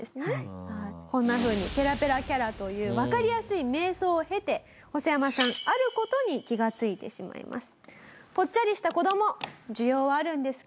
こんなふうにペラペラキャラというわかりやすい迷走を経てホソヤマさんある事に気がついてしまいます。